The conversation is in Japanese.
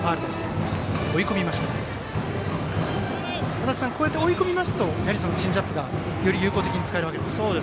足達さん、追い込みますとチェンジアップがより有効的に使えるわけですね。